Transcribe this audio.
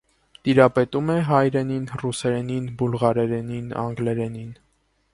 Տիրապետում է հայերենին, ռուսերենին, բուլղարերենին, անգլերենին։